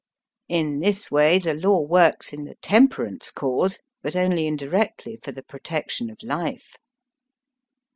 In this way the law works in the temperance cause, hut only indirectly for the protection of life.